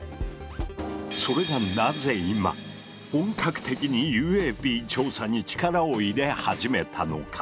それがなぜ今本格的にＵＡＰ調査に力を入れ始めたのか？